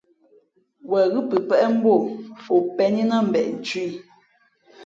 Wen ghʉ̌ pəpéʼ mbú o, o pēn í nά mbeʼ nthʉ̄ ī.